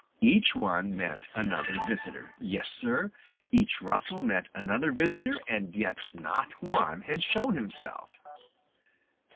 Each one meant another visitor. Yes, Sir, each rustle meant another visitor, and yet not one had shown himself.